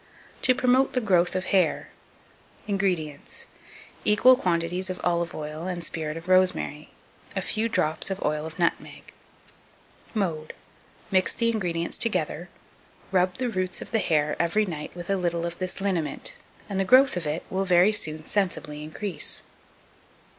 To promote the Growth of Hair. 2257. INGREDIENTS. Equal quantities of olive oil and spirit of rosemary; a few drops of oil of nutmeg. Mode. Mix the ingredients together, rub the roots of the hair every night with a little of this liniment, and the growth of it will very soon sensibly increase.